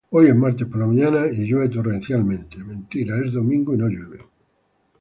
Hoy es martes por la mañana y llueve torrencialmente.